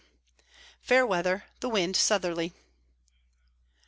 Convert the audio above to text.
Fair Weather, the Wind Southerly.